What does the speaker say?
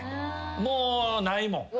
もうないもん。